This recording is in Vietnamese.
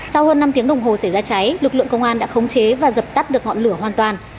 sau hơn năm tiếng đồng hồ xảy ra cháy lực lượng công an đã khống chế và dập tắt được ngọn lửa hoàn toàn